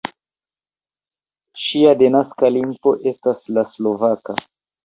Ŝia denaska lingvo estas la slovaka.